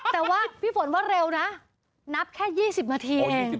แต่ว่าพี่ฝนว่าเร็วนะนับแค่๒๐นาทีเอง